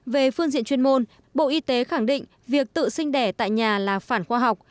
về phương diện chuyên môn bộ y tế khẳng định việc tự sinh đẻ tại nhà là phản khoa học